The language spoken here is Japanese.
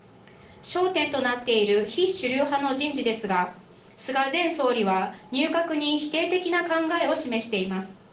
焦点となっている非主流派の人事ですが菅前総理は入閣に否定的な考えを示しています。